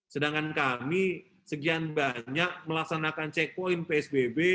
sedangkan kami segian banyak melaksanakan cek poin psbb